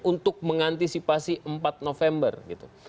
untuk mengantisipasi empat november gitu